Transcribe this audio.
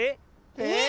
えっ？